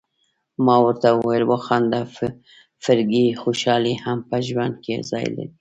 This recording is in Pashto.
ما ورته وویل: وخانده فرګي، خوشالي هم په ژوند کي ځای لري.